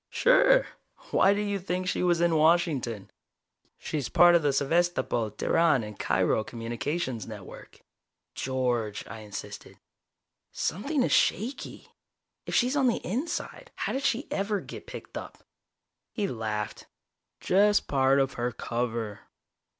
"Sure. Why did you think she was in Washington? She's part of the Sevastopol, Teheran and Cairo communications network." "George," I insisted. "Something is shaky. If she's on the inside, how did she ever get picked up?" He laughed. "Just part of her cover.